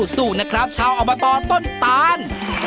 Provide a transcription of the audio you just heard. สู้นะครับชาวอบตต้นตาน